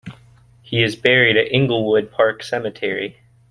He is buried at Inglewood Park Cemetery.